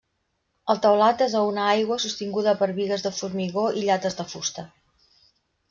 El teulat és a una aigua sostinguda per bigues de formigó i llates de fusta.